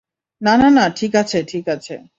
না, না, না, ঠিক আছে, ঠিক আছে।